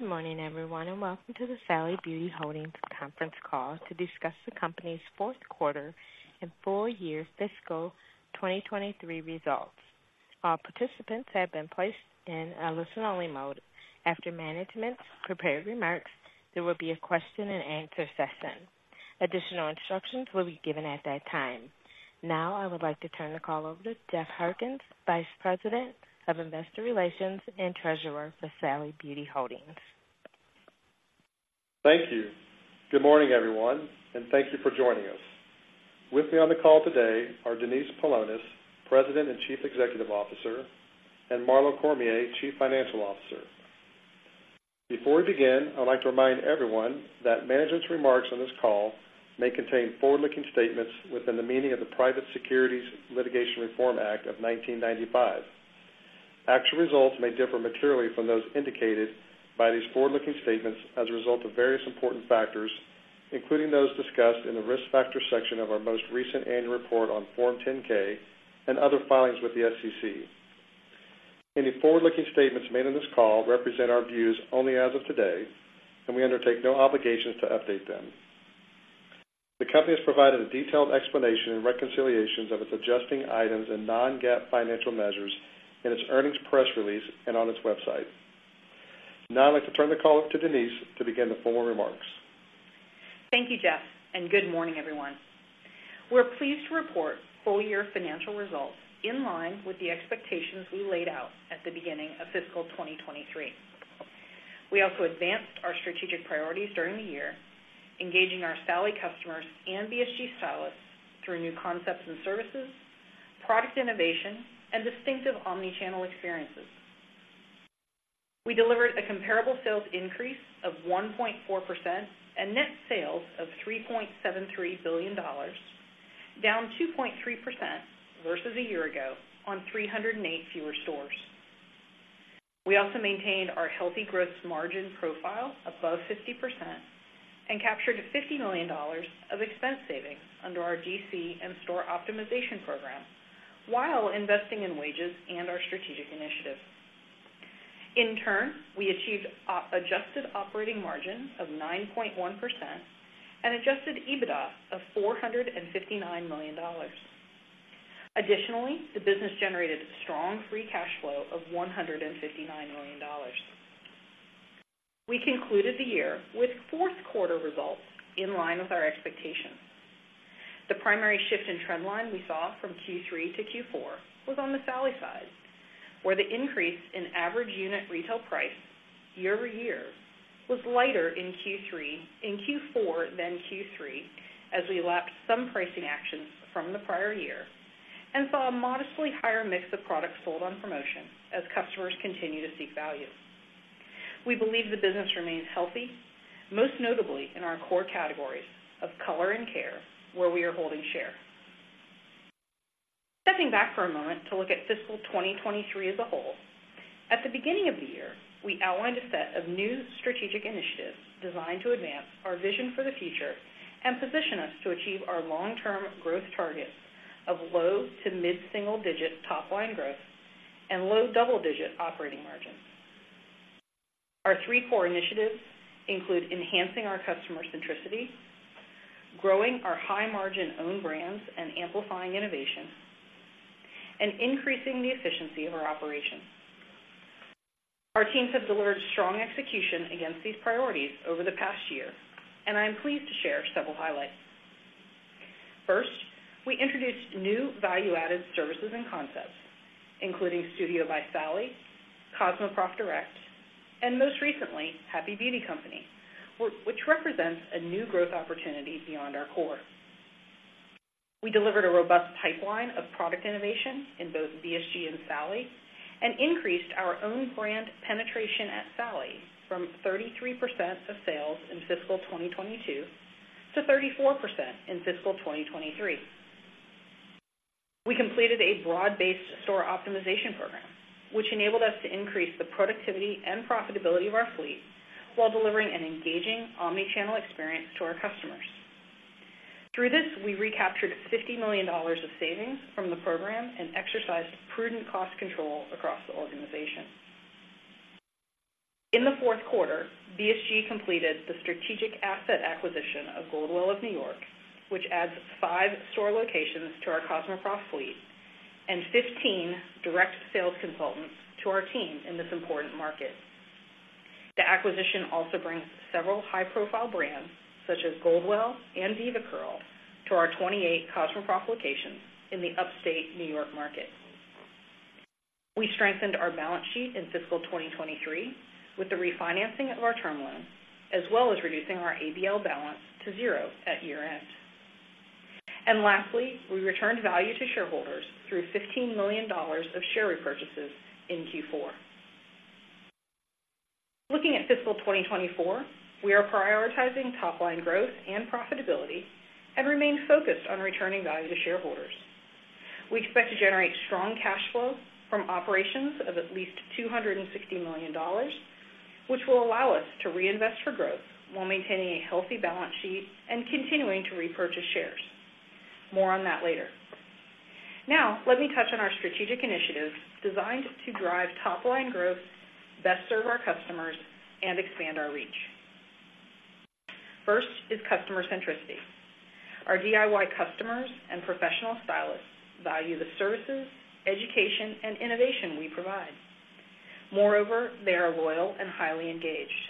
Good morning, everyone, and welcome to the Sally Beauty Holdings conference call to discuss the company's fourth quarter and full year fiscal 2023 results. All participants have been placed in a listen-only mode. After management's prepared remarks, there will be a question-and-answer session. Additional instructions will be given at that time. Now, I would like to turn the call over to Jeff Harkins, Vice President of Investor Relations and Treasurer for Sally Beauty Holdings. Thank you. Good morning, everyone, and thank you for joining us. With me on the call today are Denise Paulonis, President and Chief Executive Officer, and Marlo Cormier, Chief Financial Officer. Before we begin, I'd like to remind everyone that management's remarks on this call may contain forward-looking statements within the meaning of the Private Securities Litigation Reform Act of 1995. Actual results may differ materially from those indicated by these forward-looking statements as a result of various important factors, including those discussed in the Risk Factors section of our most recent annual report on Form 10-K and other filings with the SEC. Any forward-looking statements made on this call represent our views only as of today, and we undertake no obligations to update them. The company has provided a detailed explanation and reconciliations of its adjusting items and non-GAAP financial measures in its earnings press release and on its website. Now, I'd like to turn the call over to Denise to begin the formal remarks. Thank you, Jeff, and good morning, everyone. We're pleased to report full-year financial results in line with the expectations we laid out at the beginning of fiscal 2023. We also advanced our strategic priorities during the year, engaging our Sally customers and BSG stylists through new concepts and services, product innovation, and distinctive omnichannel experiences. We delivered a comparable sales increase of 1.4% and net sales of $3.73 billion, down 2.3% versus a year ago on 308 fewer stores. We also maintained our healthy gross margin profile above 50% and captured $50 million of expense savings under our DC and store optimization program, while investing in wages and our strategic initiatives. In turn, we achieved adjusted operating margin of 9.1% and adjusted EBITDA of $459 million. Additionally, the business generated strong free cash flow of $159 million. We concluded the year with fourth quarter results in line with our expectations. The primary shift in trend line we saw from Q3 to Q4 was on the Sally side, where the increase in average unit retail price year-over-year was lighter in Q4 than Q3, as we lapped some pricing actions from the prior year and saw a modestly higher mix of products sold on promotion as customers continue to seek value. We believe the business remains healthy, most notably in our core categories of color and care, where we are holding share. Stepping back for a moment to look at fiscal 2023 as a whole, at the beginning of the year, we outlined a set of new strategic initiatives designed to advance our vision for the future and position us to achieve our long-term growth targets of low- to mid-single-digit top-line growth and low-double-digit operating margins. Our three core initiatives include enhancing our customer centricity, growing our high-margin own brands and amplifying innovation, and increasing the efficiency of our operations. Our teams have delivered strong execution against these priorities over the past year, and I am pleased to share several highlights. First, we introduced new value-added services and concepts, including Studio by Sally, CosmoProf Direct, and most recently, Happy Beauty Co., which represents a new growth opportunity beyond our core. We delivered a robust pipeline of product innovation in both BSG and Sally, and increased our own brand penetration at Sally from 33% of sales in fiscal 2022 to 34% in fiscal 2023. We completed a broad-based store optimization program, which enabled us to increase the productivity and profitability of our fleet while delivering an engaging omnichannel experience to our customers. Through this, we recaptured $50 million of savings from the program and exercised prudent cost control across the organization. In the fourth quarter, BSG completed the strategic asset acquisition of Goldwell of New York, which adds 5 store locations to our CosmoProf fleet and 15 direct sales consultants to our team in this important market. The acquisition also brings several high-profile brands, such as Goldwell and DevaCurl, to our 28 CosmoProf locations in the upstate New York market. We strengthened our balance sheet in fiscal 2023 with the refinancing of our term loan, as well as reducing our ABL balance to zero at year-end. And lastly, we returned value to shareholders through $15 million of share repurchases in Q4. Looking at fiscal 2024, we are prioritizing top-line growth and profitability and remain focused on returning value to shareholders. We expect to generate strong cash flow from operations of at least $260 million, which will allow us to reinvest for growth while maintaining a healthy balance sheet and continuing to repurchase shares. More on that later... Now, let me touch on our strategic initiatives designed to drive top-line growth, best serve our customers, and expand our reach. First is customer centricity. Our DIY customers and professional stylists value the services, education, and innovation we provide. Moreover, they are loyal and highly engaged.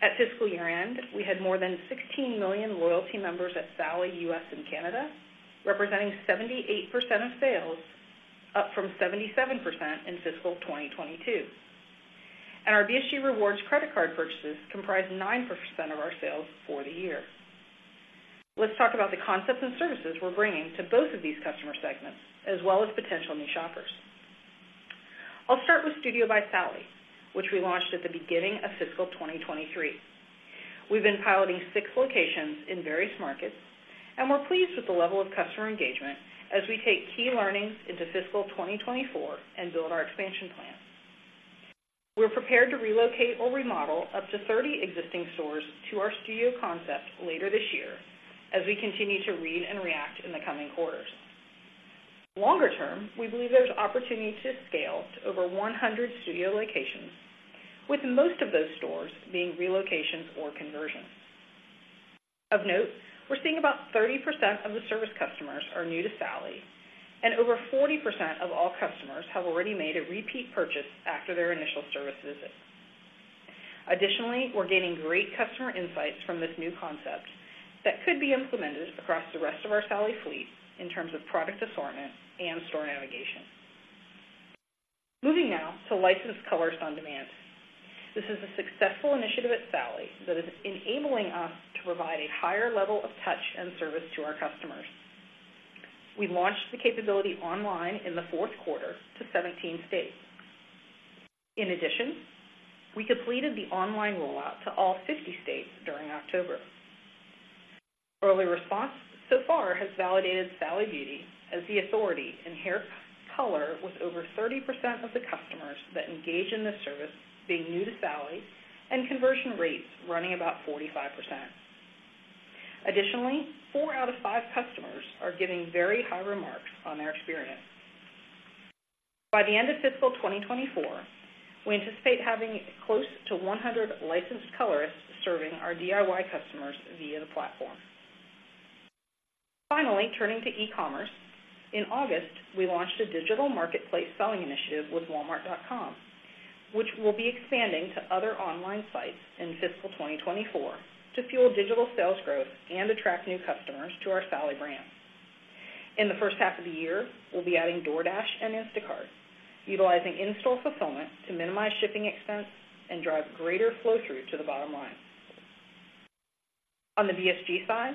At fiscal year-end, we had more than 16 million loyalty members at Sally U.S. and Canada, representing 78% of sales, up from 77% in fiscal 2022. Our BSG Rewards credit card purchases comprised 9% of our sales for the year. Let's talk about the concepts and services we're bringing to both of these customer segments, as well as potential new shoppers. I'll start with Studio by Sally, which we launched at the beginning of fiscal 2023. We've been piloting 6 locations in various markets, and we're pleased with the level of customer engagement as we take key learnings into fiscal 2024 and build our expansion plans. We're prepared to relocate or remodel up to 30 existing stores to our studio concept later this year, as we continue to read and react in the coming quarters. Longer term, we believe there's opportunity to scale to over 100 studio locations, with most of those stores being relocations or conversions. Of note, we're seeing about 30% of the service customers are new to Sally, and over 40% of all customers have already made a repeat purchase after their initial service visit. Additionally, we're gaining great customer insights from this new concept that could be implemented across the rest of our Sally fleet in terms of product assortment and store navigation. Moving now to Licensed Color on Demand. This is a successful initiative at Sally that is enabling us to provide a higher level of touch and service to our customers. We launched the capability online in the fourth quarter to 17 states. In addition, we completed the online rollout to all 50 states during October. Early response so far has validated Sally Beauty as the authority in hair color, with over 30% of the customers that engage in this service being new to Sally, and conversion rates running about 45%. Additionally, four out of five customers are giving very high remarks on their experience. By the end of fiscal 2024, we anticipate having close to 100 licensed colorists serving our DIY customers via the platform. Finally, turning to e-commerce. In August, we launched a digital marketplace selling initiative with Walmart.com, which we'll be expanding to other online sites in fiscal 2024 to fuel digital sales growth and attract new customers to our Sally brand. In the first half of the year, we'll be adding DoorDash and Instacart, utilizing in-store fulfillment to minimize shipping expense and drive greater flow-through to the bottom line. On the BSG side,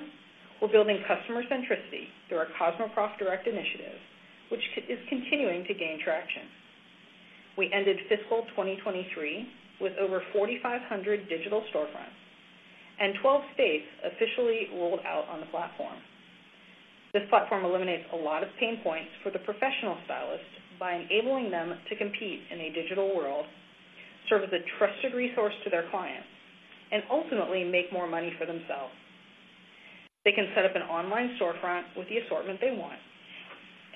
we're building customer centricity through our CosmoProf Direct initiative, which is continuing to gain traction. We ended fiscal 2023 with over 4,500 digital storefronts and 12 states officially rolled out on the platform. This platform eliminates a lot of pain points for the professional stylists by enabling them to compete in a digital world, serve as a trusted resource to their clients, and ultimately make more money for themselves. They can set up an online storefront with the assortment they want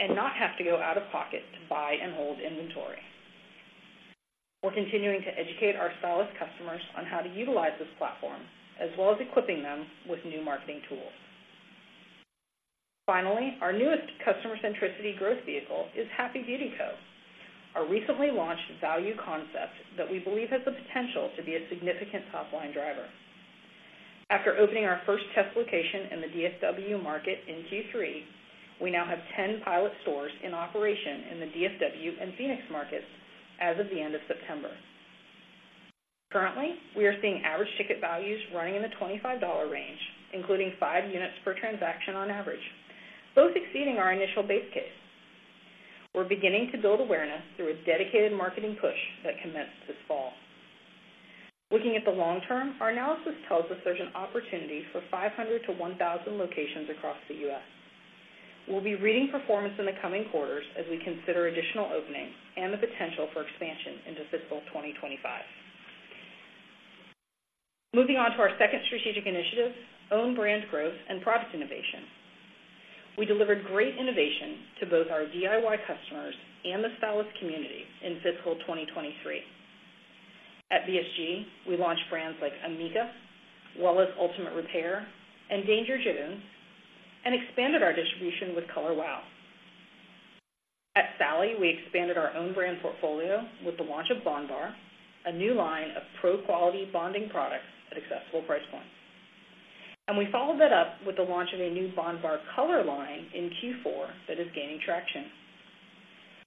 and not have to go out of pocket to buy and hold inventory. We're continuing to educate our stylist customers on how to utilize this platform, as well as equipping them with new marketing tools. Finally, our newest customer centricity growth vehicle is Happy Beauty Co., our recently launched value concept that we believe has the potential to be a significant top-line driver. After opening our first test location in the DFW market in Q3, we now have 10 pilot stores in operation in the DFW and Phoenix markets as of the end of September. Currently, we are seeing average ticket values running in the $25 range, including 5 units per transaction on average, both exceeding our initial base case. We're beginning to build awareness through a dedicated marketing push that commenced this fall. Looking at the long term, our analysis tells us there's an opportunity for 500-1,000 locations across the U.S. We'll be reading performance in the coming quarters as we consider additional openings and the potential for expansion into fiscal 2025. Moving on to our second strategic initiative, own brand growth and product innovation. We delivered great innovation to both our DIY customers and the stylist community in fiscal 2023. At BSG, we launched brands like amika, Wella's Ultimate Repair, and Danger Jones, and expanded our distribution with Color Wow. At Sally, we expanded our own brand portfolio with the launch of bondbar, a new line of pro-quality bonding products at accessible price points. And we followed that up with the launch of a new bondbar color line in Q4 that is gaining traction.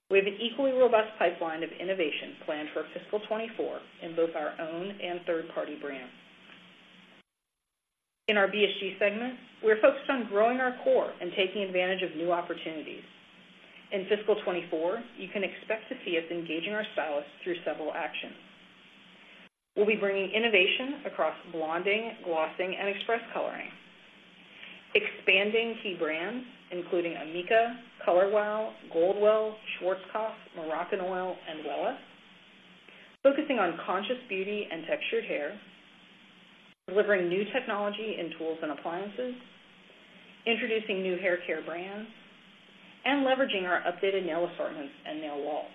We have an equally robust pipeline of innovations planned for fiscal 2024 in both our own and third-party brands. In our BSG segment, we're focused on growing our core and taking advantage of new opportunities. In fiscal 2024, you can expect to see us engaging our stylists through several actions. We'll be bringing innovations across blonding, glossing, and express coloring, expanding key brands, including amika, Color Wow, Goldwell, Schwarzkopf, Moroccanoil, and Wella, focusing on conscious beauty and textured hair, delivering new technology in tools and appliances, introducing new hair care brands, and leveraging our updated nail assortments and nail walls.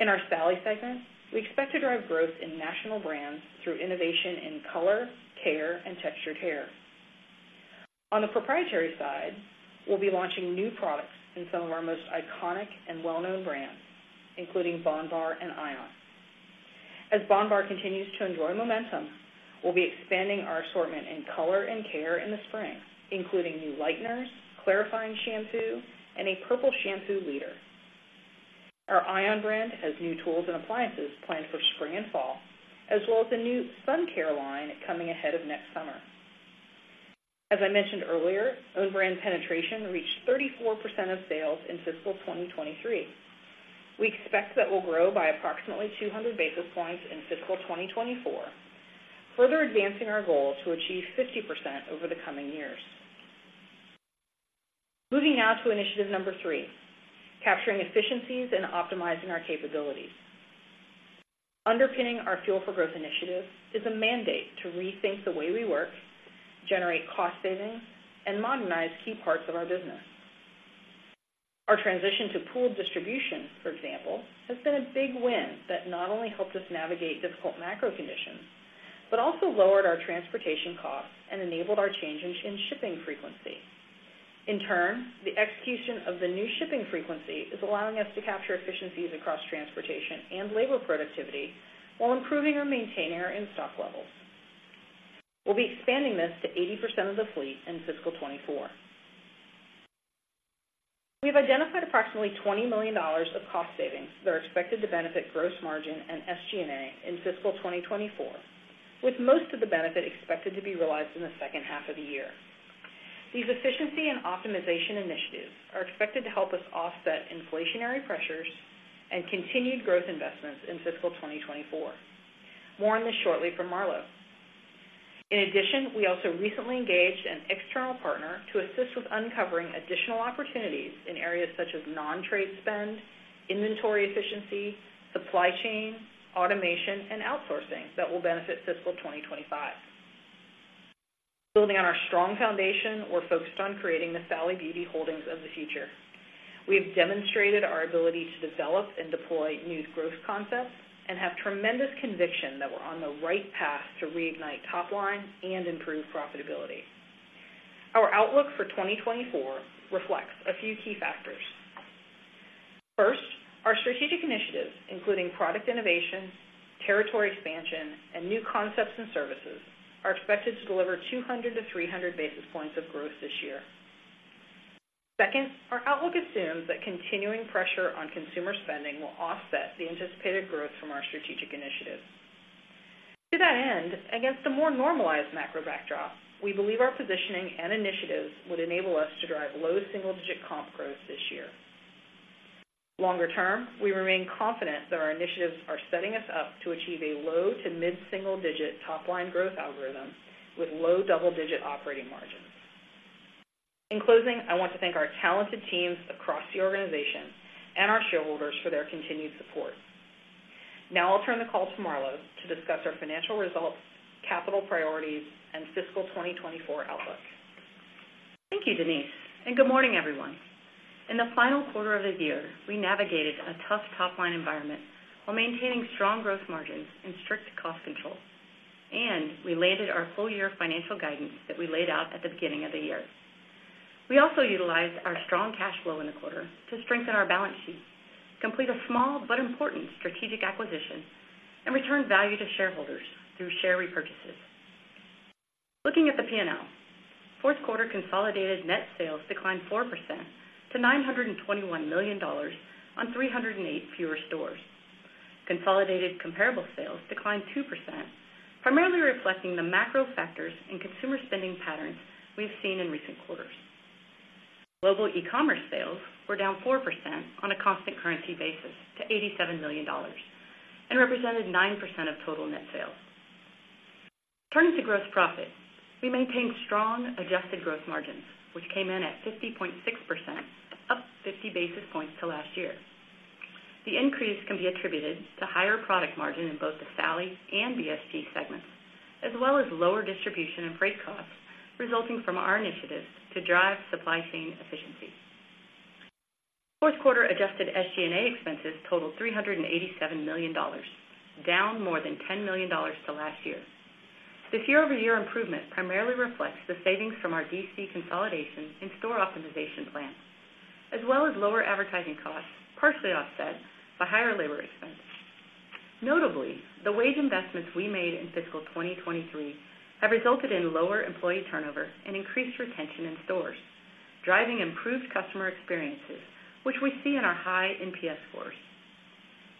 In our Sally segment, we expect to drive growth in national brands through innovation in color, care, and textured hair. On the proprietary side, we'll be launching new products in some of our most iconic and well-known brands, including bondbar and ION. As bondbar continues to enjoy momentum, we'll be expanding our assortment in color and care in the spring, including new lighteners, clarifying shampoo, and a purple shampoo leader. Our ION brand has new tools and appliances planned for spring and fall, as well as a new sun care line coming ahead of next summer. As I mentioned earlier, own brand penetration reached 34% of sales in fiscal 2023. We expect that will grow by approximately 200 basis points in fiscal 2024, further advancing our goal to achieve 50% over the coming years. Moving now to initiative number three: capturing efficiencies and optimizing our capabilities. Underpinning our Fuel for Growth initiative is a mandate to rethink the way we work, generate cost savings, and modernize key parts of our business. Our transition to pooled distribution, for example, has been a big win that not only helped us navigate difficult macro conditions, but also lowered our transportation costs and enabled our changes in shipping frequency. In turn, the execution of the new shipping frequency is allowing us to capture efficiencies across transportation and labor productivity while improving or maintaining our in-stock levels. We'll be expanding this to 80% of the fleet in fiscal 2024. We've identified approximately $20 million of cost savings that are expected to benefit gross margin and SG&A in fiscal 2024, with most of the benefit expected to be realized in the second half of the year. These efficiency and optimization initiatives are expected to help us offset inflationary pressures and continued growth investments in fiscal 2024. More on this shortly from Marlo. In addition, we also recently engaged an external partner to assist with uncovering additional opportunities in areas such as non-trade spend, inventory efficiency, supply chain, automation, and outsourcing that will benefit fiscal 2025. Building on our strong foundation, we're focused on creating the Sally Beauty Holdings of the future. We have demonstrated our ability to develop and deploy new growth concepts and have tremendous conviction that we're on the right path to reignite top line and improve profitability. Our outlook for 2024 reflects a few key factors. First, our strategic initiatives, including product innovation, territory expansion, and new concepts and services, are expected to deliver 200-300 basis points of growth this year. Second, our outlook assumes that continuing pressure on consumer spending will offset the anticipated growth from our strategic initiatives. To that end, against a more normalized macro backdrop, we believe our positioning and initiatives would enable us to drive low single-digit comp growth this year. Longer term, we remain confident that our initiatives are setting us up to achieve a low to mid-single digit top-line growth algorithm with low double-digit operating margins. In closing, I want to thank our talented teams across the organization and our shareholders for their continued support. Now I'll turn the call to Marlo to discuss our financial results, capital priorities, and fiscal 2024 outlook. Thank you, Denise, and good morning, everyone. In the final quarter of the year, we navigated a tough top-line environment while maintaining strong gross margins and strict cost control, and we landed our full-year financial guidance that we laid out at the beginning of the year. We also utilized our strong cash flow in the quarter to strengthen our balance sheet, complete a small but important strategic acquisition, and return value to shareholders through share repurchases. Looking at the P&L, fourth quarter consolidated net sales declined 4% to $921 million on 308 fewer stores. Consolidated comparable sales declined 2%, primarily reflecting the macro factors in consumer spending patterns we've seen in recent quarters. Global e-commerce sales were down 4% on a constant currency basis to $87 million and represented 9% of total net sales. Turning to gross profit, we maintained strong adjusted gross margins, which came in at 50.6%, up 50 basis points to last year. The increase can be attributed to higher product margin in both the Sally and BSG segments, as well as lower distribution and freight costs resulting from our initiatives to drive supply chain efficiency. Fourth quarter adjusted SG&A expenses totaled $387 million, down more than $10 million to last year. The year-over-year improvement primarily reflects the savings from our DC consolidation and store optimization plan, as well as lower advertising costs, partially offset by higher labor expenses. Notably, the wage investments we made in fiscal 2023 have resulted in lower employee turnover and increased retention in stores, driving improved customer experiences, which we see in our high NPS scores.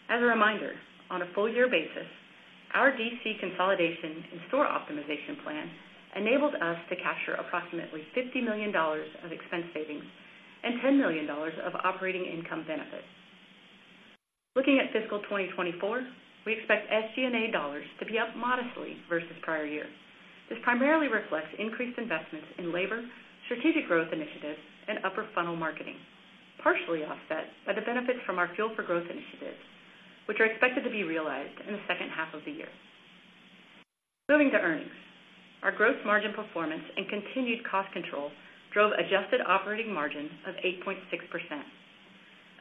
As a reminder, on a full-year basis, our DC consolidation and store optimization plan enabled us to capture approximately $50 million of expense savings and $10 million of operating income benefits. Looking at fiscal 2024, we expect SG&A dollars to be up modestly versus prior year. This primarily reflects increased investments in labor, strategic growth initiatives, and upper funnel marketing, partially offset by the benefits from our Fuel for Growth initiative, which are expected to be realized in the second half of the year. Moving to earnings. Our gross margin performance and continued cost control drove adjusted operating margin of 8.6%,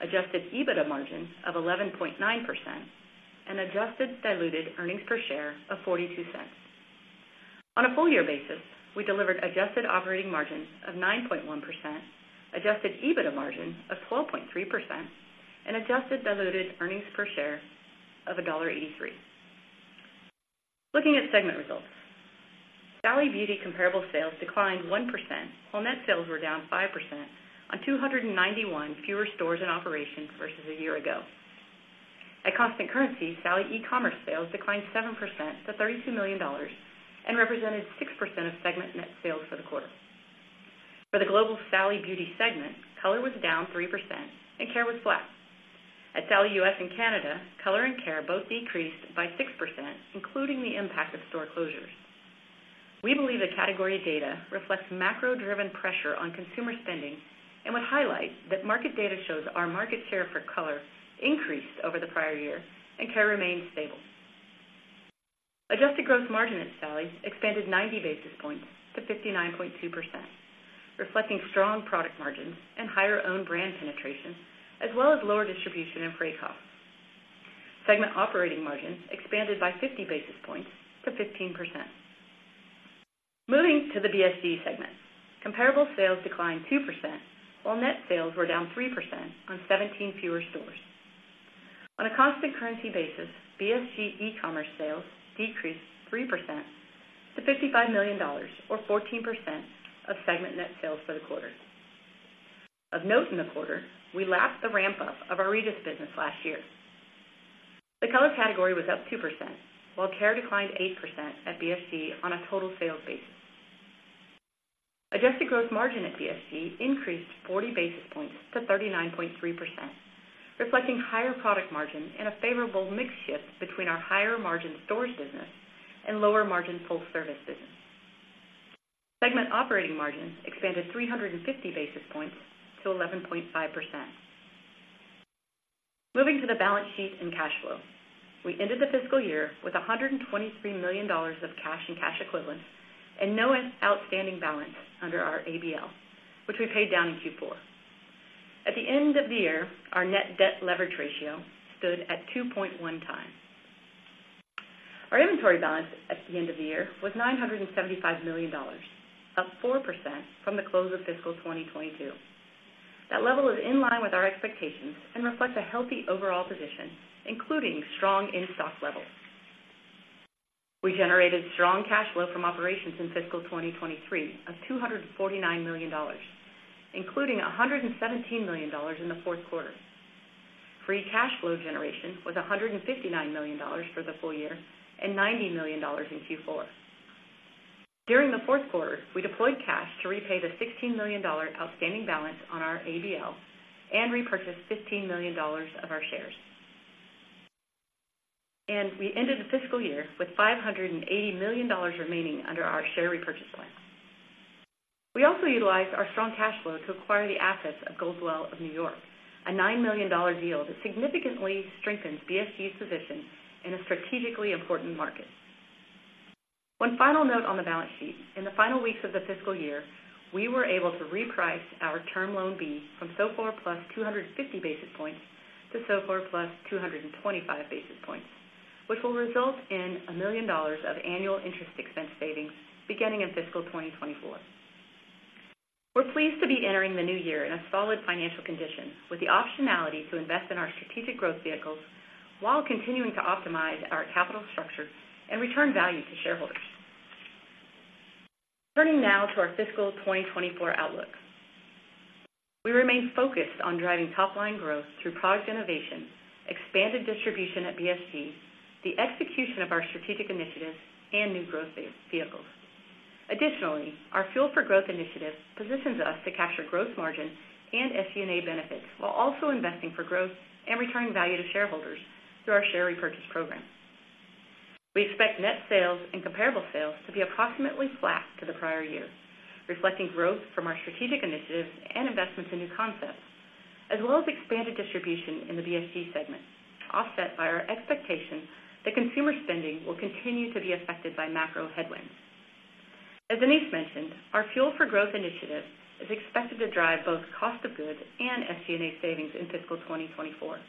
adjusted EBITDA margin of 11.9%, and adjusted diluted earnings per share of $0.42. On a full year basis, we delivered adjusted operating margin of 9.1%, adjusted EBITDA margin of 12.3%, and adjusted diluted earnings per share of $1.83. Looking at segment results, Sally Beauty comparable sales declined 1%, while net sales were down 5% on 291 fewer stores in operation versus a year ago. At constant currency, Sally e-commerce sales declined 7% to $32 million and represented 6% of segment net sales for the quarter. For the global Sally Beauty segment, color was down 3% and care was flat. At Sally US and Canada, color and care both decreased by 6%, including the impact of store closures. We believe the category data reflects macro-driven pressure on consumer spending and would highlight that market data shows our market share for color increased over the prior year and care remained stable. Adjusted gross margin at Sally expanded 90 basis points to 59.2%, reflecting strong product margins and higher own brand penetration, as well as lower distribution and freight costs. Segment operating margins expanded by 50 basis points to 15%. Moving to the BSG segment, comparable sales declined 2%, while net sales were down 3% on 17 fewer stores. On a constant currency basis, BSG e-commerce sales decreased 3% to $55 million, or 14% of segment net sales for the quarter. Of note in the quarter, we lapped the ramp-up of our Regis business last year. The color category was up 2%, while care declined 8% at BSG on a total sales basis. Adjusted gross margin at BSG increased 40 basis points to 39.3%, reflecting higher product margin and a favorable mix shift between our higher margin stores business and lower margin full-service business. Segment operating margins expanded 350 basis points to 11.5%. Moving to the balance sheet and cash flow, we ended the fiscal year with $123 million of cash and cash equivalents, and no outstanding balance under our ABL, which we paid down in Q4. At the end of the year, our net debt leverage ratio stood at 2.1 times. Our inventory balance at the end of the year was $975 million, up 4% from the close of fiscal 2022. That level is in line with our expectations and reflects a healthy overall position, including strong in-stock levels. We generated strong cash flow from operations in fiscal 2023 of $249 million, including $117 million in the fourth quarter. Free cash flow generation was $159 million for the full year and $90 million in Q4. During the fourth quarter, we deployed cash to repay the $16 million outstanding balance on our ABL and repurchased $15 million of our shares. We ended the fiscal year with $580 million remaining under our share repurchase plan. We also utilized our strong cash flow to acquire the assets of Goldwell of New York, a $9 million deal that significantly strengthens BSG's position in a strategically important market. One final note on the balance sheet, in the final weeks of the fiscal year, we were able to reprice our Term Loan B from SOFR plus 250 basis points to SOFR plus 225 basis points, which will result in $1 million of annual interest expense savings beginning in fiscal 2024. We're pleased to be entering the new year in a solid financial condition, with the optionality to invest in our strategic growth vehicles while continuing to optimize our capital structure and return value to shareholders. Turning now to our fiscal 2024 outlook. We remain focused on driving top-line growth through product innovation, expanded distribution at BSG, the execution of our strategic initiatives, and new growth vehicles. Additionally, our Fuel for Growth initiative positions us to capture gross margin and SG&A benefits, while also investing for growth and returning value to shareholders through our share repurchase program. We expect net sales and comparable sales to be approximately flat to the prior year, reflecting growth from our strategic initiatives and investments in new concepts, as well as expanded distribution in the BSG segment, offset by our expectation that consumer spending will continue to be affected by macro headwinds. As Denise mentioned, our Fuel for Growth initiative is expected to drive both cost of goods and SG&A savings in fiscal 2024.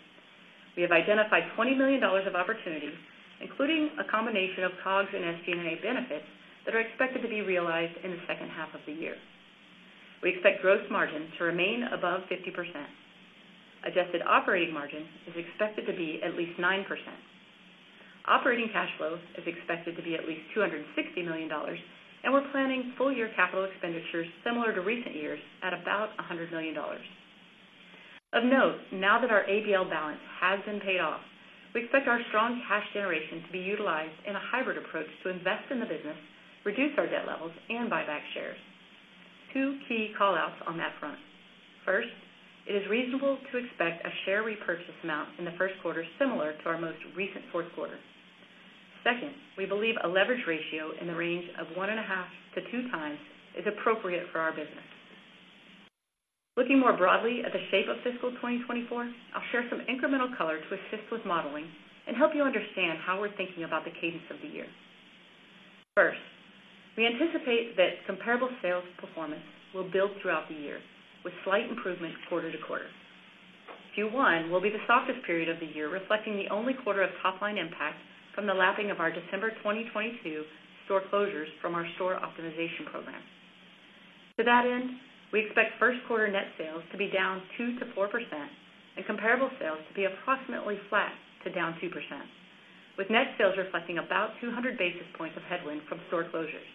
We have identified $20 million of opportunities, including a combination of COGS and SG&A benefits, that are expected to be realized in the second half of the year. We expect gross margin to remain above 50%. Adjusted Operating Margin is expected to be at least 9%. Operating cash flow is expected to be at least $260 million, and we're planning full-year capital expenditures similar to recent years at about $100 million. Of note, now that our ABL balance has been paid off, we expect our strong cash generation to be utilized in a hybrid approach to invest in the business, reduce our debt levels, and buy back shares. Two key callouts on that front. First, it is reasonable to expect a share repurchase amount in the first quarter similar to our most recent fourth quarter. ...Second, we believe a leverage ratio in the range of 1.5-2 times is appropriate for our business. Looking more broadly at the shape of fiscal 2024, I'll share some incremental color to assist with modeling and help you understand how we're thinking about the cadence of the year. First, we anticipate that comparable sales performance will build throughout the year with slight improvement quarter to quarter. Q1 will be the softest period of the year, reflecting the only quarter of top line impact from the lapping of our December 2022 store closures from our store optimization program. To that end, we expect first quarter net sales to be down 2%-4% and comparable sales to be approximately flat to down 2%, with net sales reflecting about 200 basis points of headwind from store closures.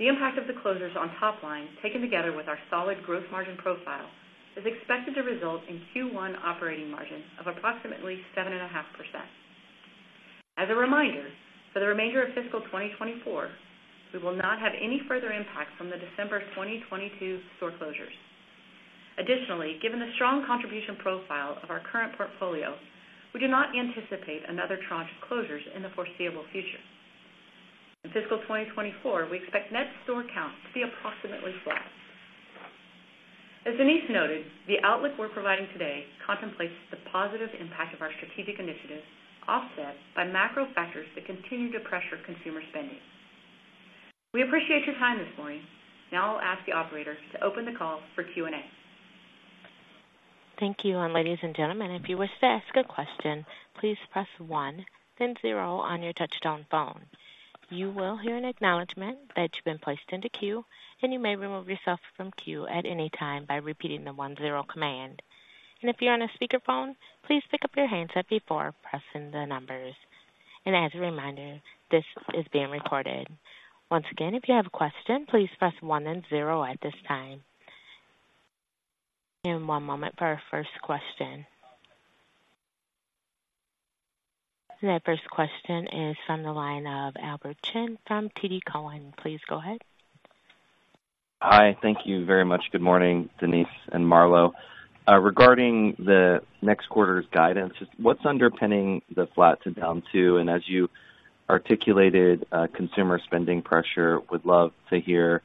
The impact of the closures on top line, taken together with our solid gross margin profile, is expected to result in Q1 operating margin of approximately 7.5%. As a reminder, for the remainder of fiscal 2024, we will not have any further impacts from the December 2022 store closures. Additionally, given the strong contribution profile of our current portfolio, we do not anticipate another tranche of closures in the foreseeable future. In fiscal 2024, we expect net store count to be approximately flat. As Denise noted, the outlook we're providing today contemplates the positive impact of our strategic initiatives, offset by macro factors that continue to pressure consumer spending. We appreciate your time this morning. Now I'll ask the operator to open the call for Q&A. Thank you. Ladies and gentlemen, if you wish to ask a question, please press one, then zero on your touchtone phone. You will hear an acknowledgment that you've been placed into queue, and you may remove yourself from queue at any time by repeating the one-zero command. And if you're on a speakerphone, please pick up your handset before pressing the numbers. And as a reminder, this is being recorded. Once again, if you have a question, please press one then zero at this time. And one moment for our first question. The first question is from the line of Oliver Chen from TD Cowen. Please go ahead. Hi, thank you very much. Good morning, Denise and Marlo. Regarding the next quarter's guidance, what's underpinning the flat to down 2? And as you articulated, consumer spending pressure, would love to hear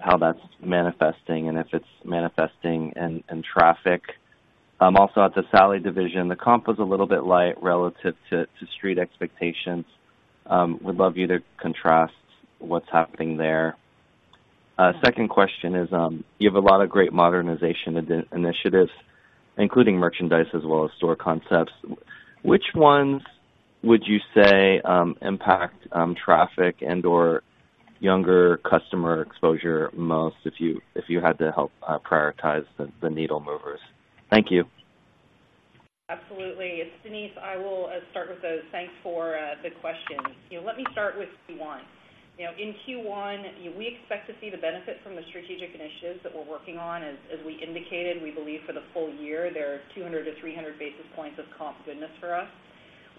how that's manifesting and if it's manifesting in traffic. Also at the Sally division, the comp was a little bit light relative to street expectations. Would love you to contrast what's happening there. Second question is, you have a lot of great modernization initiatives, including merchandise as well as store concepts. Which ones would you say impact traffic and/or younger customer exposure most, if you had to help prioritize the needle movers? Thank you. Absolutely. It's Denise. I will start with those. Thanks for the questions. You know, let me start with Q1. You know, in Q1, we expect to see the benefit from the strategic initiatives that we're working on. As we indicated, we believe for the full year, there are 200-300 basis points of comp goodness for us.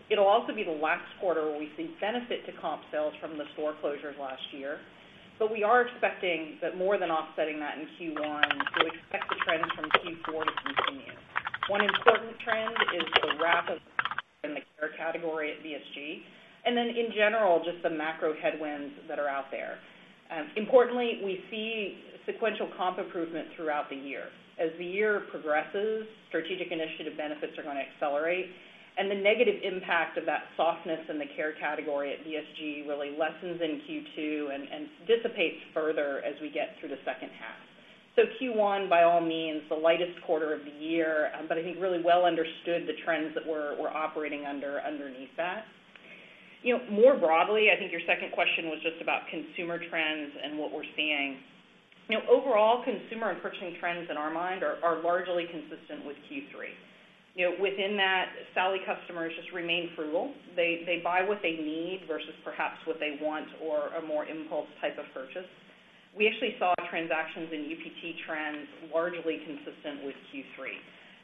It'll also be the last quarter where we see benefit to comp sales from the store closures last year. But we are expecting that more than offsetting that in Q1, we expect the trend from Q4 to continue. One important trend is the rapid in the care category at BSG, and then in general, just the macro headwinds that are out there. Importantly, we see sequential comp improvement throughout the year. As the year progresses, strategic initiative benefits are going to accelerate, and the negative impact of that softness in the care category at BSG really lessens in Q2 and dissipates further as we get through the second half. So Q1, by all means, the lightest quarter of the year, but I think really well understood the trends that we're operating under underneath that. You know, more broadly, I think your second question was just about consumer trends and what we're seeing. You know, overall, consumer and purchasing trends in our mind are largely consistent with Q3. You know, within that, Sally customers just remain frugal. They buy what they need versus perhaps what they want or a more impulse type of purchase. We actually saw transactions in UPT trends largely consistent with Q3.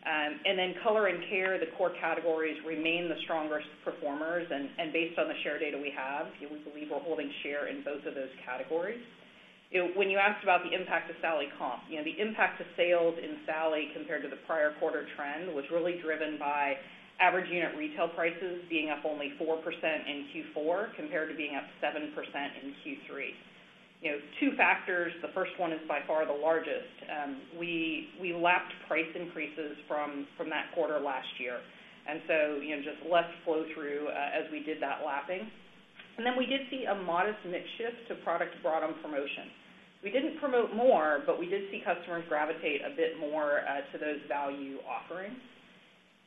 And then color and care, the core categories, remain the strongest performers, and based on the share data we have, we believe we're holding share in both of those categories. When you asked about the impact of Sally comp, you know, the impact of sales in Sally compared to the prior quarter trend was really driven by average unit retail prices being up only 4% in Q4, compared to being up 7% in Q3. You know, two factors. The first one is by far the largest. We lapped price increases from that quarter last year, and so, you know, just less flow through, as we did that lapping. And then we did see a modest mix shift to product brought on promotion. We didn't promote more, but we did see customers gravitate a bit more to those value offerings.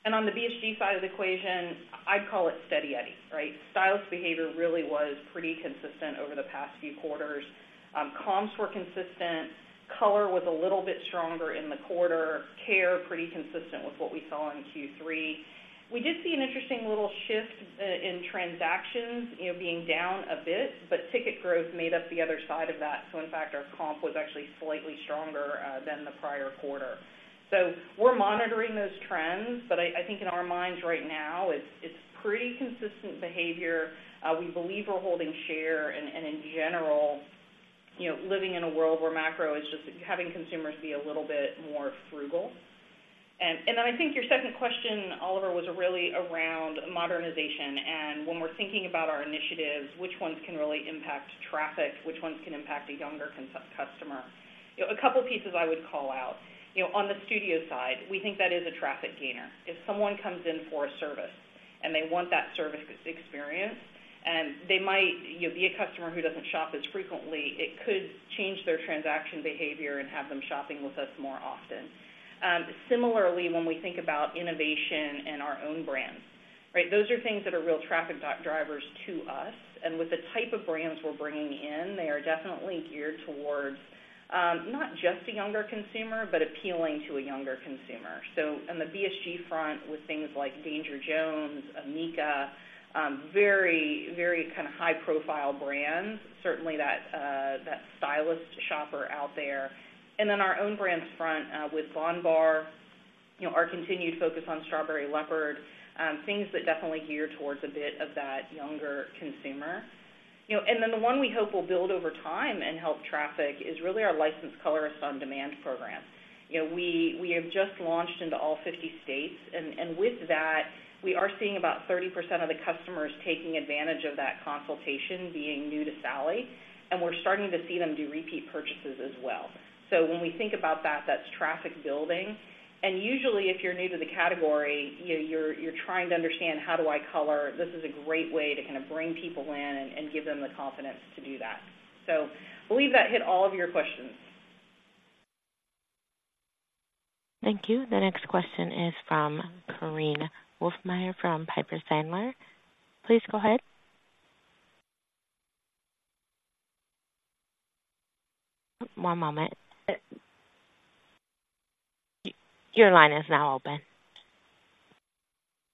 And on the BSG side of the equation, I'd call it steady Eddie, right? Stylist behavior really was pretty consistent over the past few quarters. Comps were consistent, color was a little bit stronger in the quarter, care, pretty consistent with what we saw in Q3. We did see an interesting little shift in transactions, you know, being down a bit, but ticket growth made up the other side of that. So in fact, our comp was actually slightly stronger than the prior quarter. So we're monitoring those trends, but I, I think in our minds right now, it's, it's pretty consistent behavior. We believe we're holding share and, and in general, you know, living in a world where macro is just having consumers be a little bit more frugal. And then I think your second question, Oliver, was really around modernization. When we're thinking about our initiatives, which ones can really impact traffic, which ones can impact a younger customer. You know, a couple pieces I would call out. You know, on the studio side, we think that is a traffic gainer. If someone comes in for a service, and they want that service experience, and they might, you know, be a customer who doesn't shop as frequently, it could change their transaction behavior and have them shopping with us more often. Similarly, when we think about innovation and our own brands, right? Those are things that are real traffic drivers to us, and with the type of brands we're bringing in, they are definitely geared towards not just a younger consumer, but appealing to a younger consumer. So on the BSG front, with things like Danger Jones, amika, very, very kinda high-profile brands, certainly that, that stylist shopper out there. And then our own brands front, with bondbar, you know, our continued focus on Strawberry Leopard, things that definitely gear towards a bit of that younger consumer. You know, and then the one we hope will build over time and help traffic is really our Licensed Colorist On-Demand program. You know, we, we have just launched into all 50 states, and, and with that, we are seeing about 30% of the customers taking advantage of that consultation being new to Sally, and we're starting to see them do repeat purchases as well. So when we think about that, that's traffic building. And usually, if you're new to the category, you, you're, you're trying to understand, how do I color? This is a great way to kinda bring people in and give them the confidence to do that. So believe that hit all of your questions. Thank you. The next question is from Korinne Wolfmeyer from Piper Sandler. Please go ahead. One moment. Your line is now open.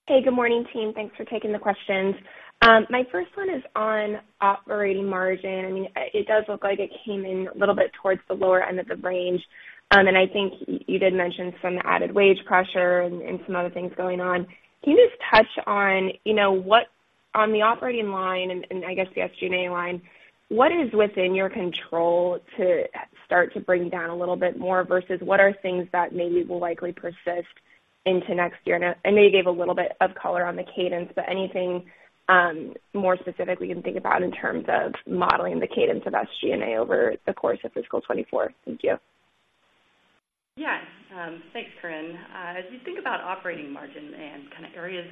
Hey, good morning, team. Thanks for taking the questions. My first one is on operating margin. It does look like it came in a little bit towards the lower end of the range. And I think you did mention some added wage pressure and some other things going on. Can you just touch on, you know, what. On the operating line, and I guess, the SG&A line, what is within your control to start to bring down a little bit more versus what are things that maybe will likely persist into next year? And I know you gave a little bit of color on the cadence, but anything more specific we can think about in terms of modeling the cadence of SG&A over the course of fiscal 2024? Thank you. Yes. Thanks, Korinne. As you think about operating margin and kinda areas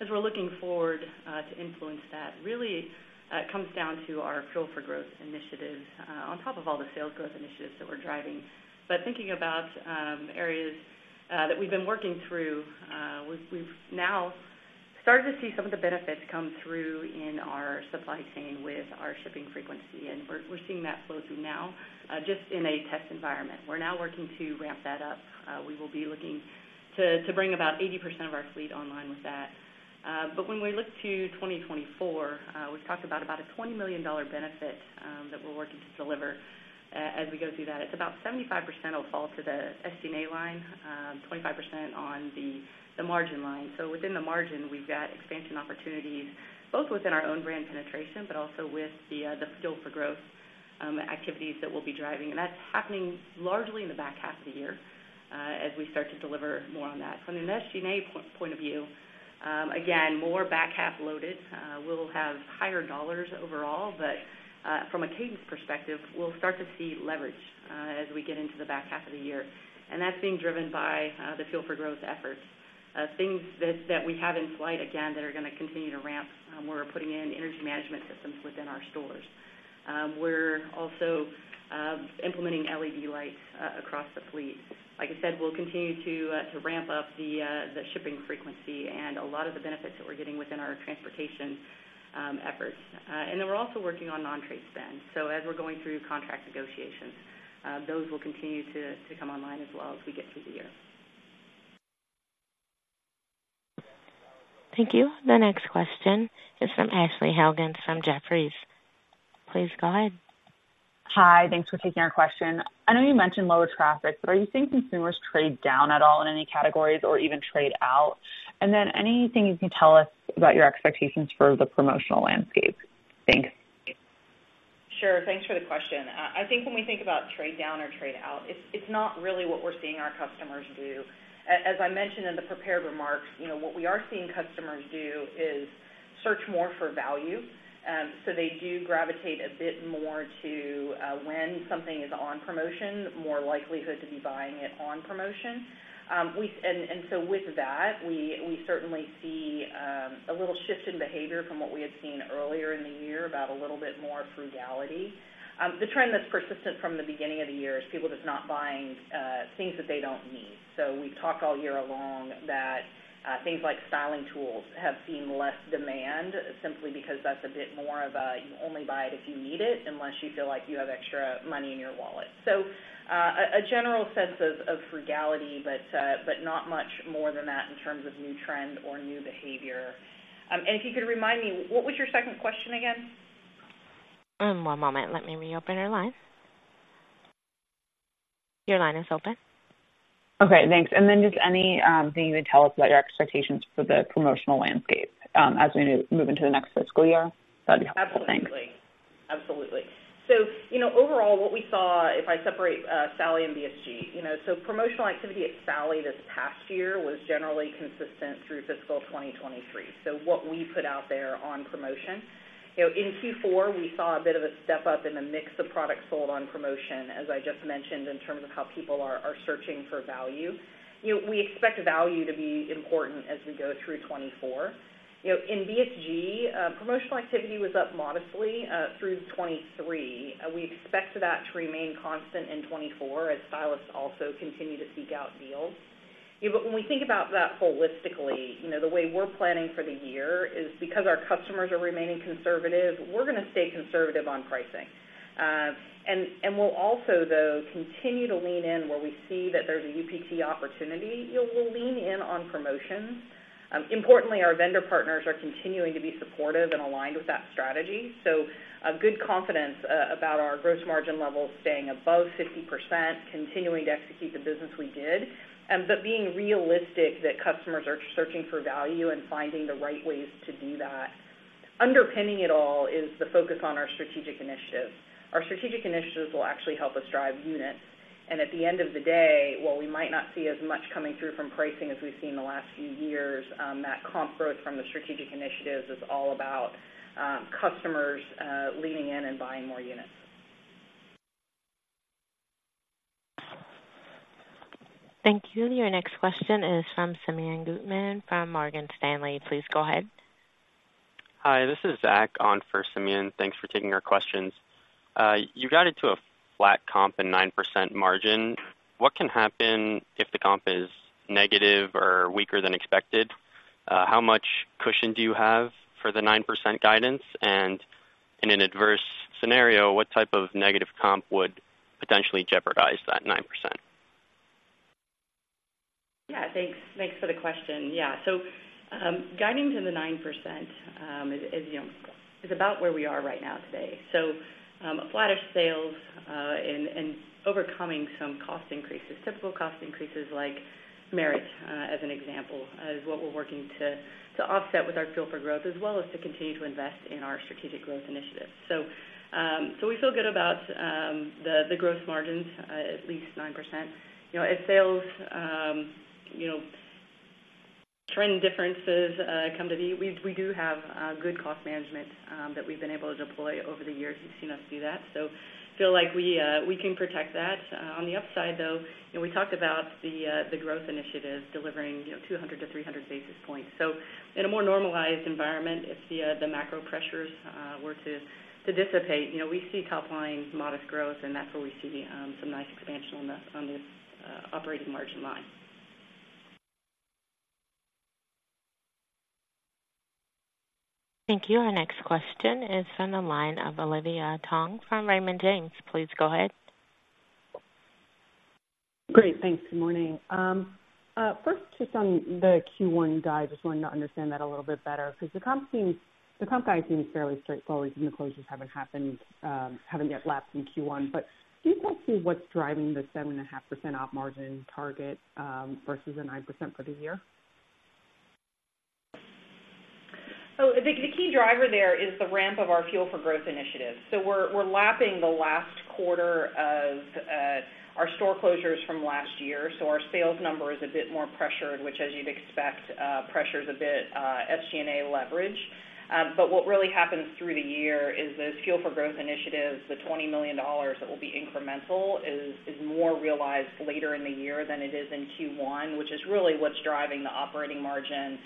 as we're looking forward to influence that, really it comes down to our Fuel for Growth initiatives on top of all the sales growth initiatives that we're driving. But thinking about areas that we've been working through, we've now started to see some of the benefits come through in our supply chain with our shipping frequency, and we're seeing that flow through now just in a test environment. We're now working to ramp that up. We will be looking to bring about 80% of our fleet online with that. But when we look to 2024, we've talked about a $20 million benefit that we're working to deliver. As we go through that, it's about 75% will fall to the SG&A line, 25% on the, the margin line. So within the margin, we've got expansion opportunities, both within our own brand penetration, but also with the, the Fuel for Growth, activities that we'll be driving. And that's happening largely in the back half of the year, as we start to deliver more on that. From an SG&A point of view, again, more back half loaded. We'll have higher dollars overall, but, from a cadence perspective, we'll start to see leverage, as we get into the back half of the year. And that's being driven by, the Fuel for Growth efforts. Things that we have in flight, again, that are gonna continue to ramp, we're putting in energy management systems within our stores. We're also implementing LED lights across the fleet. Like I said, we'll continue to ramp up the shipping frequency and a lot of the benefits that we're getting within our transportation efforts. And then we're also working on non-trade spend. So as we're going through contract negotiations, those will continue to come online as well as we get through the year. Thank you. The next question is from Ashley Helgans from Jefferies. Please go ahead. Hi, thanks for taking our question. I know you mentioned lower traffic, but are you seeing consumers trade down at all in any categories or even trade out? And then anything you can tell us about your expectations for the promotional landscape? Thanks. Sure. Thanks for the question. I think when we think about trade down or trade out, it's not really what we're seeing our customers do. As I mentioned in the prepared remarks, you know, what we are seeing customers do is search more for value. So they do gravitate a bit more to when something is on promotion, more likelihood to be buying it on promotion. And so with that, we certainly see a little shift in behavior from what we had seen earlier in the year about a little bit more frugality. The trend that's persistent from the beginning of the year is people just not buying things that they don't need. So we've talked all year long that things like styling tools have seen less demand, simply because that's a bit more of a you only buy it if you need it, unless you feel like you have extra money in your wallet. So a general sense of frugality, but not much more than that in terms of new trend or new behavior. And if you could remind me, what was your second question again? One moment. Let me reopen your line. Your line is open. Okay, thanks. And then just anything you would tell us about your expectations for the promotional landscape, as we move into the next fiscal year? That'd be helpful. Thanks. ...Absolutely. So, you know, overall, what we saw, if I separate Sally and BSG, you know, so promotional activity at Sally this past year was generally consistent through fiscal 2023. So what we put out there on promotion, you know, in Q4, we saw a bit of a step up in the mix of products sold on promotion, as I just mentioned, in terms of how people are searching for value. You know, we expect value to be important as we go through 2024. You know, in BSG, promotional activity was up modestly through 2023. We expect that to remain constant in 2024 as stylists also continue to seek out deals. But when we think about that holistically, you know, the way we're planning for the year is because our customers are remaining conservative, we're gonna stay conservative on pricing. And we'll also, though, continue to lean in where we see that there's a UPC opportunity, you know, we'll lean in on promotions. Importantly, our vendor partners are continuing to be supportive and aligned with that strategy. So a good confidence about our gross margin levels staying above 50%, continuing to execute the business we did, but being realistic that customers are searching for value and finding the right ways to do that. Underpinning it all is the focus on our strategic initiatives. Our strategic initiatives will actually help us drive units, and at the end of the day, while we might not see as much coming through from pricing as we've seen in the last few years, that comp growth from the strategic initiatives is all about customers leaning in and buying more units. Thank you. Your next question is from Simeon Gutman from Morgan Stanley. Please go ahead. Hi, this is Zach on for Simeon. Thanks for taking our questions. You got into a flat comp and 9% margin. What can happen if the comp is negative or weaker than expected? How much cushion do you have for the 9% guidance? And in an adverse scenario, what type of negative comp would potentially jeopardize that 9%? Yeah, thanks. Thanks for the question. Yeah, so, guiding to the 9%, you know, is about where we are right now today. So, flattish sales, and overcoming some cost increases, typical cost increases, like merit, as an example, is what we're working to offset with our Fuel for Growth, as well as to continue to invest in our strategic growth initiatives. So, we feel good about the gross margins at least 9%. You know, if sales, you know, trend differences come to be, we do have good cost management that we've been able to deploy over the years. You've seen us do that, so feel like we can protect that. On the upside, though, you know, we talked about the growth initiatives delivering, you know, 200-300 basis points. So in a more normalized environment, if the macro pressures were to dissipate, you know, we see top line modest growth, and that's where we see some nice expansion on this operating margin line. Thank you. Our next question is from the line of Olivia Tong from Raymond James. Please go ahead. Great, thanks. Good morning. First, just on the Q1 guide, just wanting to understand that a little bit better, 'cause the comp seems. the comp guide seems fairly straightforward, and the closures haven't happened, haven't yet lapped in Q1. But can you talk through what's driving the 7.5% op margin target, versus the 9% for the year? So the key driver there is the ramp of our Fuel for Growth initiative. So we're lapping the last quarter of our store closures from last year, so our sales number is a bit more pressured, which, as you'd expect, pressures a bit SG&A leverage. But what really happens through the year is those Fuel for Growth initiatives, the $20 million that will be incremental is more realized later in the year than it is in Q1, which is really what's driving the operating margin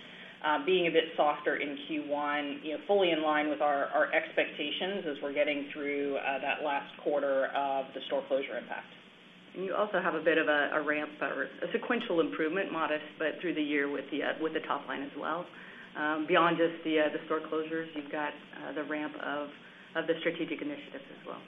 being a bit softer in Q1, you know, fully in line with our expectations as we're getting through that last quarter of the store closure impact. And you also have a bit of a ramp or a sequential improvement, modest, but through the year with the top line as well. Beyond just the store closures, you've got the ramp of the strategic initiatives as well.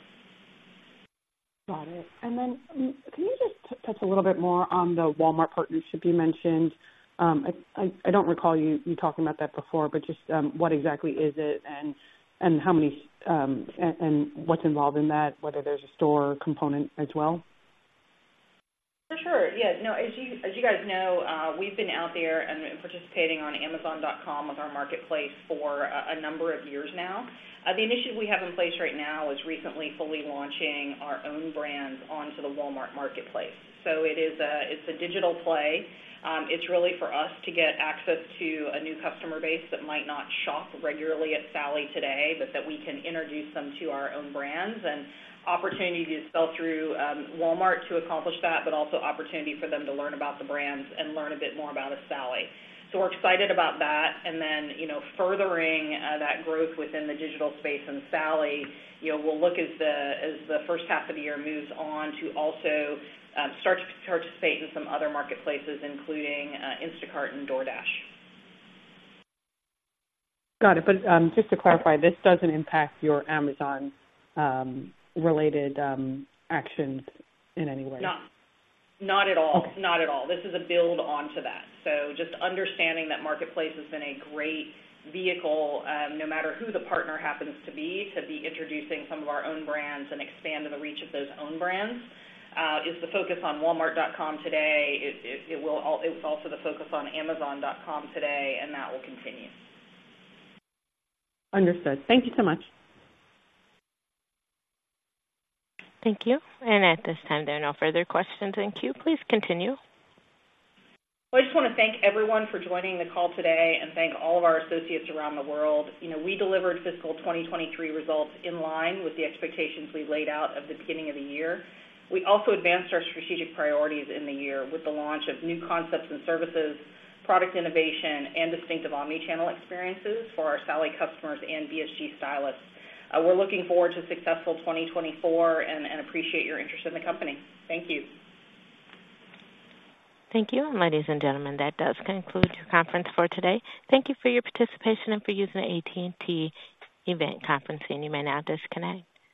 Got it. And then can you just touch a little bit more on the Walmart partnership you mentioned? I don't recall you talking about that before, but just what exactly is it and how many and what's involved in that, whether there's a store component as well? For sure. Yeah. No, as you, as you guys know, we've been out there and participating on Amazon.com with our marketplace for a number of years now. The initiative we have in place right now is recently fully launching our own brands onto the Walmart marketplace. So it is a... It's a digital play. It's really for us to get access to a new customer base that might not shop regularly at Sally today, but that we can introduce them to our own brands and opportunity to sell through Walmart to accomplish that, but also opportunity for them to learn about the brands and learn a bit more about a Sally. So we're excited about that, and then, you know, furthering that growth within the digital space and Sally, you know, we'll look as the first half of the year moves on, to also start to participate in some other marketplaces, including Instacart and DoorDash. Got it. But, just to clarify, this doesn't impact your Amazon related actions in any way? No, not at all. Okay. Not at all. This is a build onto that. So just understanding that marketplace has been a great vehicle, no matter who the partner happens to be, to be introducing some of our own brands and expanding the reach of those own brands. Is the focus on Walmart.com today, it was also the focus on Amazon.com today, and that will continue. Understood. Thank you so much. Thank you. At this time, there are no further questions in queue. Please continue. I just wanna thank everyone for joining the call today and thank all of our associates around the world. You know, we delivered fiscal 2023 results in line with the expectations we laid out at the beginning of the year. We also advanced our strategic priorities in the year with the launch of new concepts and services, product innovation, and distinctive omni-channel experiences for our Sally customers and BSG stylists. We're looking forward to a successful 2024 and appreciate your interest in the company. Thank you. Thank you. Ladies and gentlemen, that does conclude your conference for today. Thank you for your participation and for using AT&T Event Conference, and you may now disconnect.